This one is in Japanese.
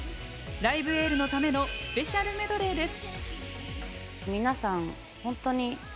「ライブ・エール」のためのスペシャルメドレーです。